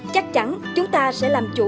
chắc chắn chúng ta sẽ làm chủ